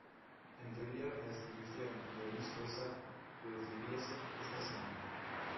En teoría a destitución de Luís César produciríase esta semana.